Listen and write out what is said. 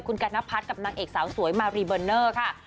คุณกัณพัฒน์กับนางเอกสาวสวยมารีเบอร์เนอร์ค่ะ